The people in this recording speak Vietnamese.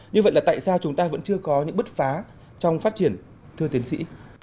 như vậy là tại sao chúng ta vẫn chưa có những bứt phá trong phát triển thưa tiến sĩ